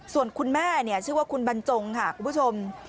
ส่วนคุณแม่ชื่อว่าคุณบรรจงค่ะคุณผู้ชม